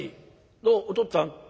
「どうもお父っつぁん。